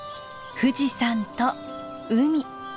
富士山と海。